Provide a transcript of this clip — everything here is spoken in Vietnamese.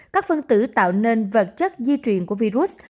các phân tử tạo nên vật chất di truyền của virus